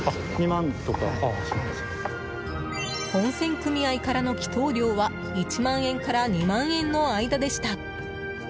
温泉組合からの祈祷料は１万円から２万円の間でした。